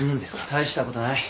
大したことはない。